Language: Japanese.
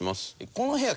この部屋